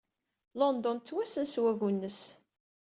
London tettwassen s wagu-nnes.